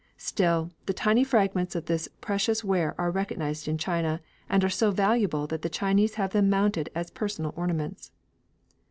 Still, the tiny fragments of this precious ware are recognised in China, and are so valuable that the Chinese have them mounted as personal ornaments.